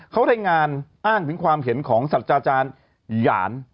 เขารายงานอ้างถึงความเห็นของสัตว์อาจารย์หยาน